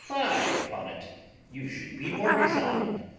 Fie upon it! You should be more resigned.